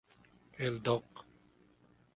El Doc.